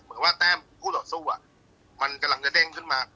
เหมือนว่าแต้มคู่ต่อสู้มันกำลังจะเด้งขึ้นมา